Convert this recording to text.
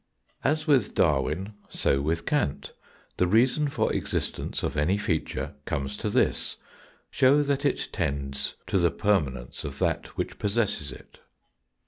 As with Darwin so with Kant, the reason for existence of any feature comes to this show that it tends to the permanence of that which possesses it.